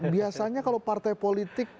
biasanya kalau partai politik